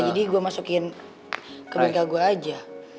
jadi gue masukin ke bengkel gue aja